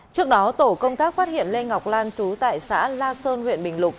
trước đó tổ công tác phát hiện lê ngọc lan chú tại xã la sơn huyện bình lục